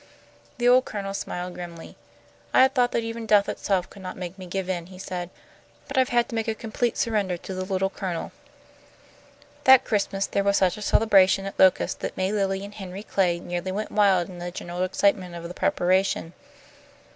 The old Colonel smiled grimly. "I had thought that even death itself could not make me give in," he said, "but I've had to make a complete surrender to the Little Colonel." That Christmas there was such a celebration at Locust that May Lilly and Henry Clay nearly went wild in the general excitement of the preparation.